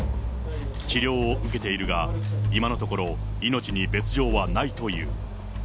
治療を受けているが、今のところ、命に別状はないという。